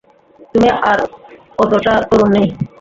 তুমি আর ওতোটা তরুণ নেই!